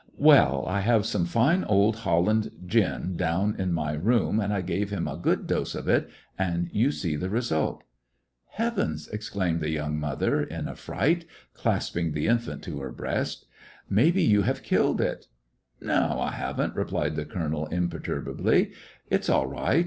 *^Wellj I have some fine old Holland gin down in my room, and I gave him a good dose of it, and yon see the result," ''Heavens !" exclaimed the young mother, in affright, clasping the infant to her breast, "maybe you have killed it !" 167 ^ecoUections of a "No, I have n't," replied the colonel, im perturbably. "It 's all right.